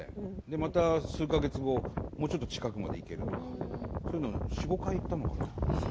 また数か月後、もうちょっと近くまで行けるそういうのを４、５回行ったのかな？